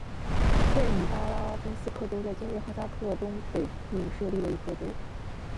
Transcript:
塞米巴拉金斯克州在今日哈萨克东北部设立的一个州。